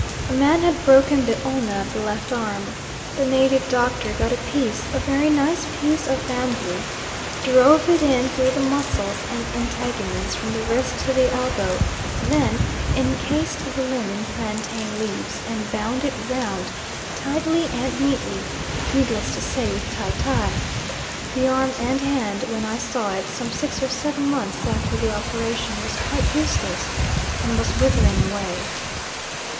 A man had broken the ulna of the left arm. The native doctor got a piece a very nice piece of bamboo, drove it in through the muscles and integuments from the wrist to the elbow, then encased the limb in plantain leaves, and bound it round, tightly and neatly, needless to say with tie tie. The arm and hand when I saw it, some six or seven months after the operation, was quite useless, and was withering away.